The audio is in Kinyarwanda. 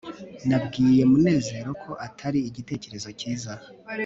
nabwiye munezero ko atari igitekerezo cyiza